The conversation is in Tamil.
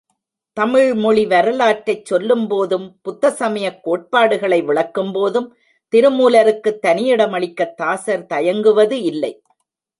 தமிழ்மொழி வரலாற்றைச் சொல்லும்போதும், புத்த சமயக் கோட்பாடுகளை விளக்கும்போதும் திருமூலருக்குத் தனியிடம் அளிக்கத் தாசர் தயங்குவது இல்லை.